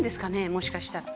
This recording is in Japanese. もしかしたら。